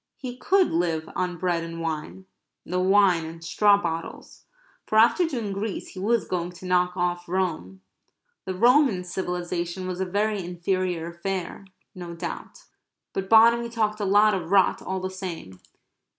He could live on bread and wine the wine in straw bottles for after doing Greece he was going to knock off Rome. The Roman civilization was a very inferior affair, no doubt. But Bonamy talked a lot of rot, all the same.